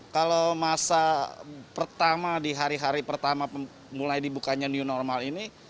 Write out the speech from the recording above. kalau masa pertama di hari hari pertama mulai dibukanya new normal ini